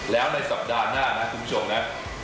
แล้วในสัปดาห์หน้านะคุณผู้ชมนะ